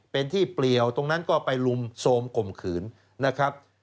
เป็นที่เปลี่ยวตรงนั้นก็ไปลุมโทรมข่มขืนนะครับ